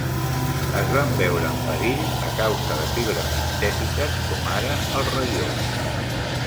Es van veure en perill a causa de fibres sintètiques com ara el raió.